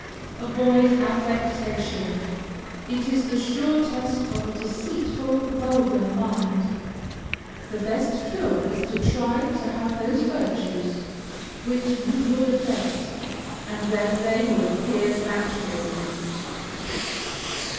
Avoid affectation; it is the sure test of a deceitful, vulgar mind. The best cure is to try to have those virtues which you would affect, and then they will appear naturally.